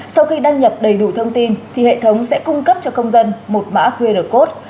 sau khi đăng nhập đầy đủ thông tin thì hệ thống sẽ cung cấp cho công dân một mã qr code